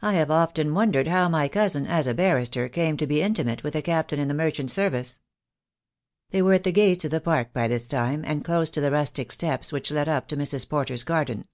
I have often wondered how my cousin, as a barrister, I I 8 THE DAY WILL COME. came to be intimate with a captain in the merchant service." They were at the gates of the Park by this time, and close to the rustic steps which led up to Mrs. Porter's garden.